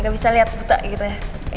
gak bisa lihat buta gitu ya